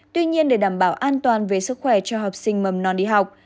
tuy nhiên để đảm bảo an toàn về sức khỏe cho học sinh mầm non đi học